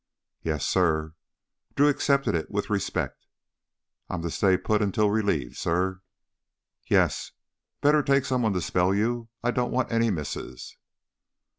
"Yes, suh," Drew accepted it with respect. "I'm to stay put until relieved, suh?" "Yes. Better take someone to spell you. I don't want any misses."